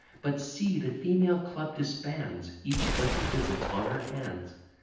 But see, the female club disbands, Each twenty visits on her hands.